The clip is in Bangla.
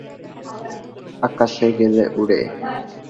আকাশে গেলে উড়ে।